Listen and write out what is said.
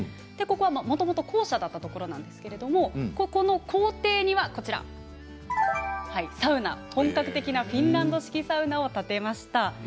もともと校舎だったところなんですけれど校庭にはこちらサウナ本格的なフィンランド式サウナを建てました。